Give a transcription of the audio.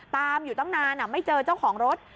ตามอยู่ตั้งนานไม่เจอเจ้าของรถ